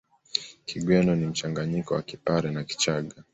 Kigweno ni mchanganyiko wa Kipare na Kichagga